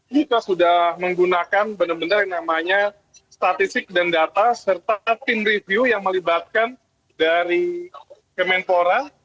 kita sudah menggunakan benar benar yang namanya statistik dan data serta tim review yang melibatkan dari kemenpora